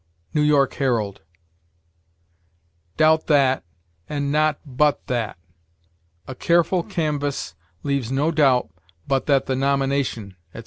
"New York Herald." Doubt that, and not but that. "A careful canvass leaves no doubt but that the nomination," etc.